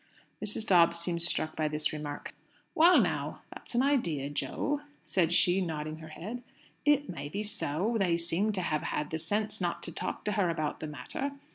Mrs. Dobbs seemed struck by this remark. "Well now, that's an idea, Jo!" said she, nodding her head. "It may be so. They seem to have had the sense not to talk to her about the matter.